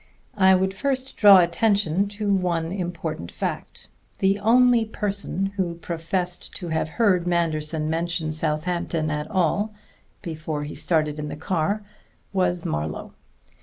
I would first draw attention to one important fact. _The only person who professed to have heard Manderson mention Southampton at all before he started in the car was Marlowe.